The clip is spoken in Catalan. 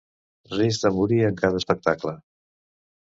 Risc de morir en cada espectacle.